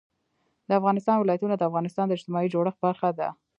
د افغانستان ولايتونه د افغانستان د اجتماعي جوړښت برخه ده.